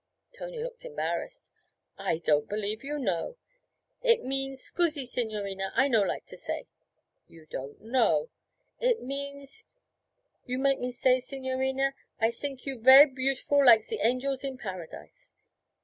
Tony looked embarrassed. 'I don't believe you know!' 'It means scusi, signorina, I no like to say.' 'You don't know.' 'It means you make me say, signorina, "I sink you ver' beautiful like ze angels in Paradise."'